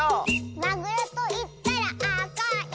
「まぐろといったらあかい！」